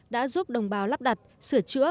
đã giúp đồng bào lắp đặt sửa chữa